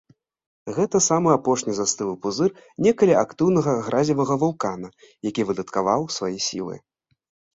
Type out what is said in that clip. Гэта самы апошні застылы пузыр некалі актыўнага гразевага вулкана, які выдаткаваў свае сілы.